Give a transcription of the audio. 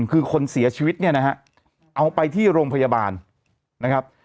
คือคนเสียชีวิตเนี่ยนะฮะเอาไปที่โรงพยาบาลนะครับ